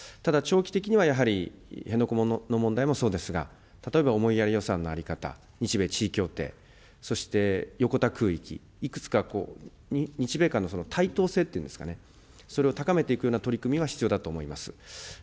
ただ、長期的にはやはり、辺野古の問題もそうですが、例えば思いやり予算の在り方、日米地位協定、そして横田空域、いくつか日米間の対等性っていうんですかね、それを高めていくような取り組みというのは必要だと思います。